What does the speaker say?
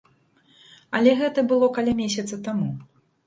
Але гэта было каля месяца таму.